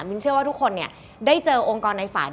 เชื่อว่าทุกคนได้เจอองค์กรในฝัน